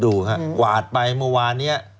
ดูฮะกวาดไปเมื่อวานนี้